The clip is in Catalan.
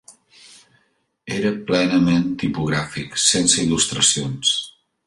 Era plenament tipogràfic, sense il·lustracions.